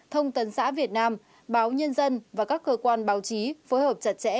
thông tấn xã việt nam báo nhân dân và các cơ quan báo chí phối hợp chặt chẽ